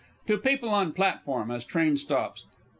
(_To people on platform, as train stops.